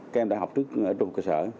các em đã học trước trung học cơ sở